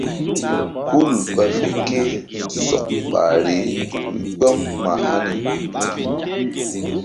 Hul ɓa fe ké sɔk ɓahri nzukri gbam mah hani nzukri.